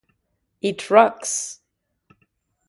It rocks.